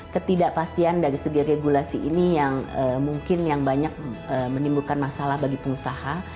ketidakpastian dari segi regulasi ini yang mungkin yang banyak menimbulkan masalah bagi pengusaha